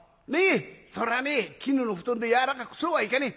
そりゃね絹の布団で柔らかくそうはいかねえ。